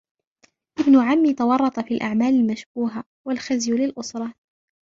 ابن عمي تورط في الاعمال المشبوهة والخزي للاسرة